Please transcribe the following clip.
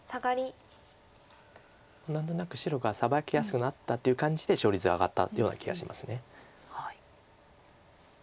何となく白がサバきやすくなったっていう感じで勝率が上がったような気がします。